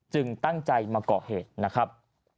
ตั้งใจมาก่อเหตุนะครับ